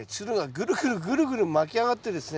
ぐるぐるぐるぐる巻き上がってですね